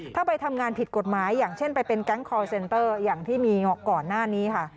ถ้าไปทำงานผิดกฎหมายอย่างเช่นไปเป็นแก๊งคอร์เซนเตอร์อย่างที่มีก่อนหน้านี้ค่ะ